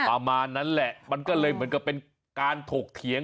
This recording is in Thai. ประมาณนั้นแหละมันก็เลยเหมือนกับเป็นการถกเถียง